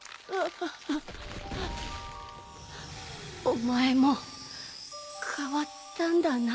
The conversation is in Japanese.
お前も変わったんだな。